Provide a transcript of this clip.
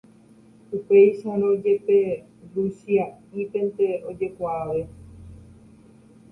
Upéicharõ jepe, Luchia'ípente ojekuaave.